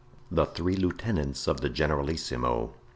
The three Lieutenants of the Generalissimo.